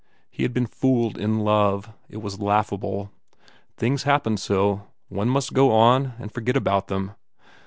He had been fooled in love. It was laughable. Things happened so. One must go on and for get about them.